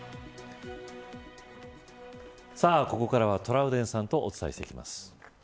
さあ、ここからはトラウデンさんとお伝えしていきます。